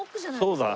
そうだ。